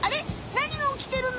何がおきてるの？